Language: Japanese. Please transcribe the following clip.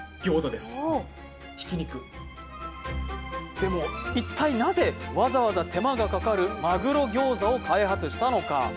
でも、一体なぜわざわざ手間がかかるマグロ餃子を開発したのか。